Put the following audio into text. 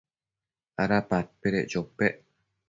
¿ada padpedec chopec?